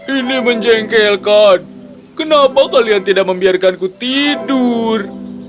ini menjengkelkan kenapa kalian tidak membiarkanku tidur